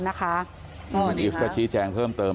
พี่ไอฟก็ชี้แจงเพิ่มเติม